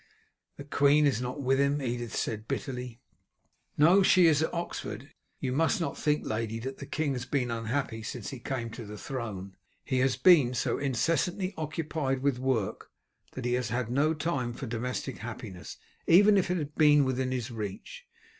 "The queen is not with him," Edith said bitterly. "No, she is at Oxford. You must not think, lady, that the king has been unhappy since he came to the throne. He has been so incessantly occupied with work that he has had no time for domestic happiness, even if it had been within his reach.